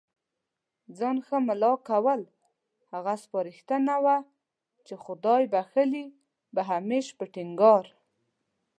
ځان ښه مُلا کول، هغه سپارښتنه وه چي خدای بخښلي به هميشه په ټينګار